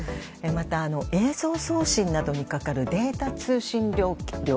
また、映像送信などにかかるデータ通信料